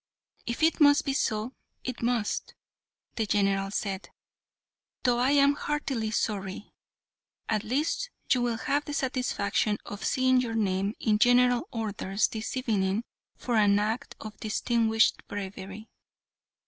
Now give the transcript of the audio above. "If it must be so, it must," the General said, "though I am heartily sorry. At least you will have the satisfaction of seeing your name in General Orders this evening for an act of distinguished bravery."